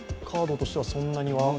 カードとしてはそんなには？